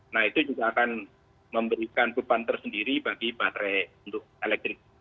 nah itu juga akan memberikan beban tersendiri bagi baterai untuk elektrik